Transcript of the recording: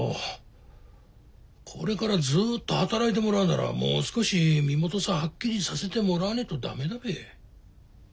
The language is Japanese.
これからずっと働いてもらうならもう少し身元さはっきりさせてもらわねと駄目だべ。